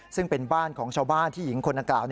ซึ่งเป็นบ้านของชาวบ้านที่หญิงคนดังกล่าว